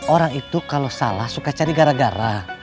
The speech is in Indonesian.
orang itu kalau salah suka cari gara gara